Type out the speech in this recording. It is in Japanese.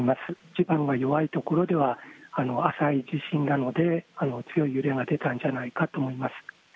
地盤が弱いところでは、浅い地震なので、強い揺れが出たんじゃないかと思います。